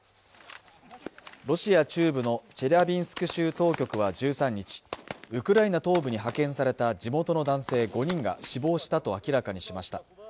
ロシア中部のチェリャビンスク州当局は１３日ウクライナ東部に派遣された地元の男性５人が死亡したと明らかにしました